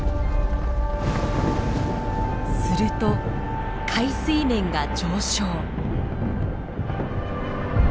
すると海水面が上昇。